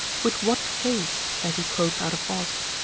With what face (as he quotes out of Aust.)